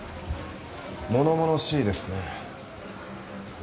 ものものしいですね。